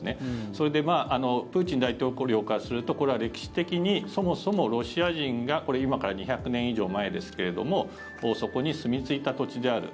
それでプーチン大統領からするとこれは歴史的にそもそもロシア人がこれ今から２００年以上前ですがそこに住みついた土地である。